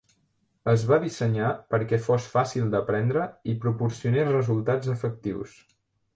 Es va dissenyar perquè fos fàcil d'aprendre i proporcionés resultats efectius.